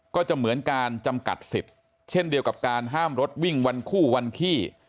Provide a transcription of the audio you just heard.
ก็จะเหมือนการจำกัดสิทธิ์เช่นเดียวกับการห้ามรถวิ่งวันคู่วันขี้